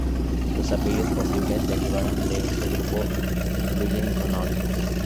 Los apellidos posibles derivaron de este grupo incluyen Connolly.